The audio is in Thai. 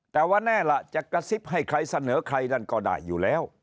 แต่ว่าแน่ล่ะจะกระซิบให้ใครเสนอใครนั่นก็ได้อยู่แล้ว